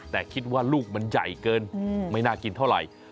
แต่คิดว่าลูกมันใหญ่เกินไม่น่ากินเท่าไหร่